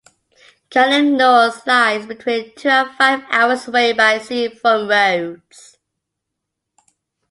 Kalymnos lies between two and five hours away by sea from Rhodes.